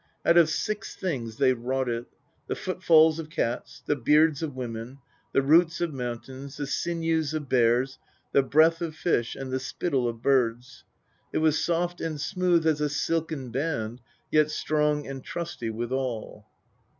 Out of six things they wrought it the footfalls of cats, the beards of women, the roots of mountains, the sinews of bears, the breath of fi>h, and the spittle of birds. It was soft and smooth as a silken band, yet strong and trusty withal."